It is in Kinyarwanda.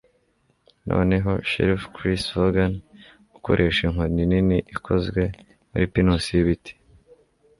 Noneho Sheriff Chris Vaughn, akoresha inkoni nini ikozwe muri pinusi y'ibiti.